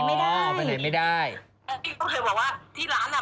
พี่เปรี้ยวเคยบอกว่าที่ร้านไม่ได้รับโกนหนวด